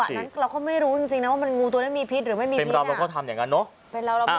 จังหวะนั้นเราก็ไม่รู้จริงจริงนะว่ามันงูตัวเนี่ยมีพิษหรือไม่มีพิษเป็นเหล่าเราก็ทำอย่างงั้นเนอะ